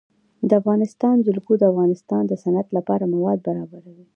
د افغانستان جلکو د افغانستان د صنعت لپاره مواد برابروي.